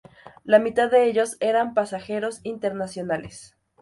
La mitad de ellos eran pasajeros internacionales.